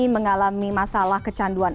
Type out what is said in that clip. mengalami masalah kecanduan